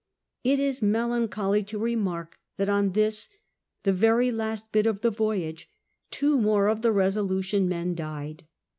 It is melancholy to remark that on this, the very last bit of the voyage, two more of the BesohUion men died.